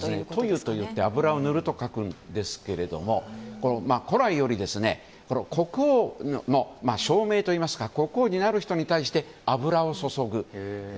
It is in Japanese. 塗油といって油を塗ると書くんですけども古来より国王の証明といいますか国王になる人に対して油を注ぐ。